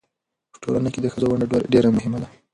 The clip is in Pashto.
په ټولنه کې د ښځو ونډه ډېره مهمه ده.